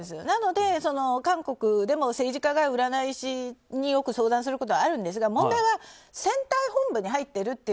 なので韓国でも政治家が占い師によく相談することはあるんですが問題は選対本部に入っている。